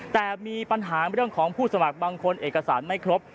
แต่มีปัญหาเรื่องของผู้สมัครบางคนเอกสารไม่ครบ